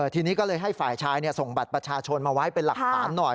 ทีนี้ก็เลยให้ฝ่ายชายส่งบัตรประชาชนมาไว้เป็นหลักฐานหน่อย